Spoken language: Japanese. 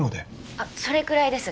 あっそれくらいです